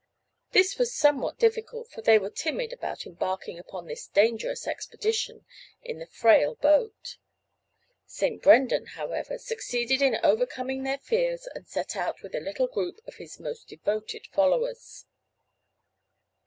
This was somewhat difficult for they were timid about embarking upon this dangerous expedition in the frail boat. St. Brendan, however, succeeded in overcoming their fears and set out with a little group of his most devoted followers.